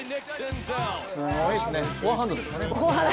すごいですね、フォアハンドですかね。